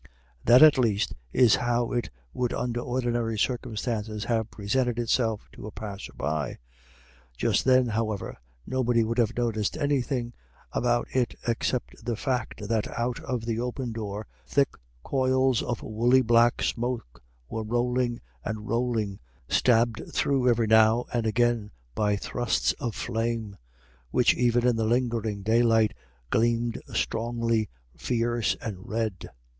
That, at least, is how it would under ordinary circumstances have presented itself to a passer by. Just then, however, nobody would have noticed anything about it except the fact that out of the open door thick coils of woolly black smoke were rolling and rolling, stabbed through every now and again by thrusts of flame, which even in the lingering daylight gleamed strongly fierce and red.